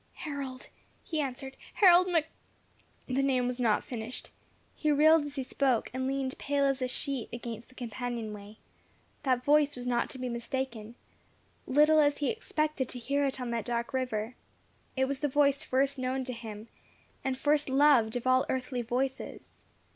"Harold," he answered, "Harold Mc ." The name was not finished. He reeled as he spoke, and leaned pale as a sheet against the companion way. That voice was not to be mistaken, little as he expected to hear it on that dark river. It was the voice first known to him, and first loved of all earthly voices.